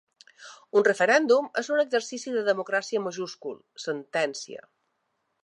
Un referèndum és un exercici de democràcia majúscul, sentència.